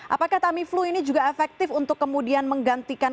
apakah tamiflu ini juga efektif untuk kemudian menggantikan